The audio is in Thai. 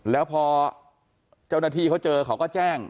แล้วพอเจ้าหน้าที่เขาเจอเขาก็แจ้ง